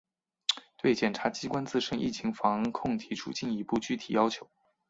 对检察机关自身疫情防控提出进一步具体要求